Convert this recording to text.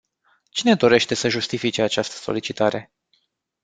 Cine dorește să justifice această solicitare?